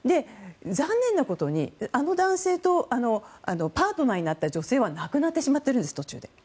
残念なことに、あの男性とパートナーになった女性は亡くなってしまっているんです途中で。